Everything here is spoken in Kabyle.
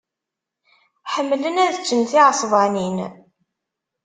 Ḥemmlen ad ččen tiɛesbanin.